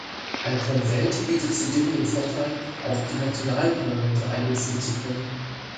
Ein Konvent bietet zudem den Vorteil, auch die nationalen Parlamente einbeziehen zu können.